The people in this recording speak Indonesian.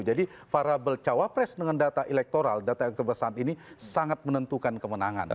jadi parabel cawapres dengan data elektrobasan ini sangat menentukan kemenangan